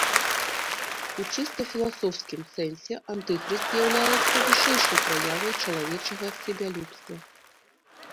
У чыста філасофскім сэнсе антыхрыст з'яўляецца вышэйшай праявай чалавечага сябелюбства.